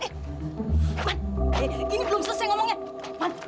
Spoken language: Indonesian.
ini belum selesai ngomongnya